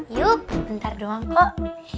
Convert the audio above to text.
yuk bentar doang kok